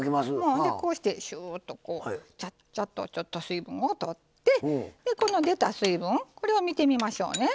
こうしてシューッとちゃっちゃっとちょっと水分を取って出た水分これを見てみましょうね。